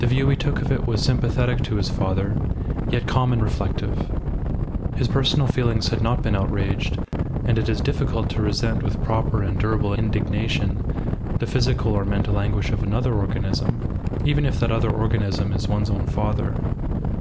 The view he took of it was sympathetic to his father, yet calm and reflective. His personal feelings had not been outraged, and it is difficult to resent with proper and durable indignation the physical or mental anguish of another organism, even if that other organism is one's own father.